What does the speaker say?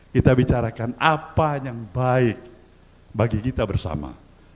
kita bicarakan apa yang baik bagi kita bersama